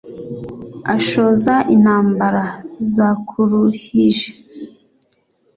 ashoza intambara zakuruhije